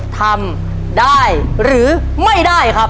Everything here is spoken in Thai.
ทำได้หรือไม่ได้ครับ